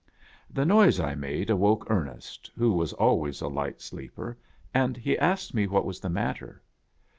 The noise I made awoke Ernest, who was always a light sleeper, and he asked me what was the matter.